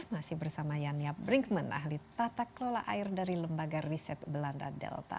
masih bersama yaniab bringkman ahli tata kelola air dari lembaga riset belanda delta